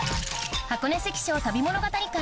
箱根関所旅物語館